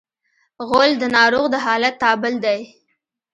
غول د ناروغ د حالت تابل دی.